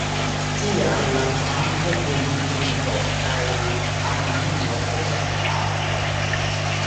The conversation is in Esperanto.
Tial la kvanto de nitrito kaj amonio estas alta.